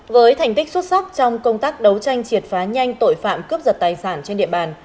với thành tích xuất sắc trong công tác đấu tranh triệt phá nhanh tội phạm cướp giật tài sản trên địa bàn